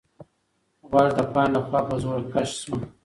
غوږ د پاڼې لخوا په زور کش شو.